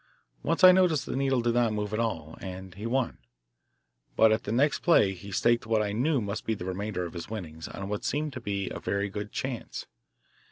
Once I noticed the needle did not move at all, and he won. But at the next play he staked what I knew must be the remainder of his winnings on what seemed a very good chance.